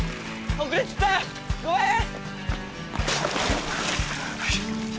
遅れちったごめん。